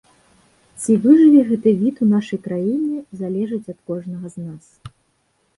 Ці выжыве гэты від у нашай краіне, залежыць ад кожнага з нас.